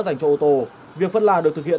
dành cho ô tô việc phân là được thực hiện